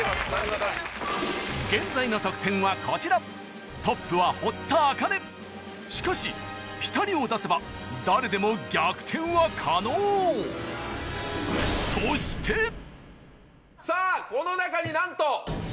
現在の得点はこちらトップは堀田茜しかしピタリを出せば誰でも逆転は可能さぁ。